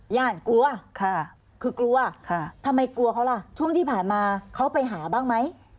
ญาติกลัวค่ะคือกลัวทำไมกลัวเขาล่ะช่วงที่ผ่านมาเขาไปหาบ้างไหม